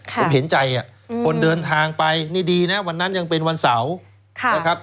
ผมเห็นใจคนเดินทางไปนี่ดีนะวันนั้นยังเป็นวันเสาร์นะครับ